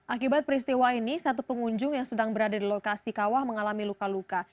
akibat peristiwa ini satu pengunjung yang sedang berada di lokasi kawah mengalami luka luka